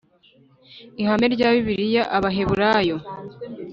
Ihame rya Bibiliya Abaheburayo